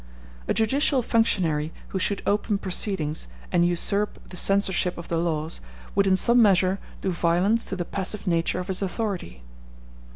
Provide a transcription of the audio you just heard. A judicial functionary who should open proceedings, and usurp the censorship of the laws, would in some measure do violence to the passive nature of his authority.